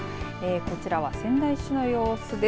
こちらは仙台市の様子です。